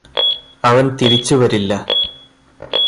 അവന് തിരിച്ച് വരില്ല